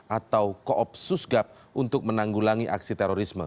atau koopsus gap untuk menanggulangi aksi terorisme